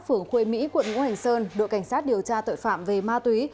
phường khuê mỹ quận ngũ hành sơn đội cảnh sát điều tra tội phạm về ma túy